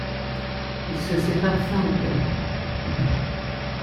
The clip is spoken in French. Ils se séparent fin octobre.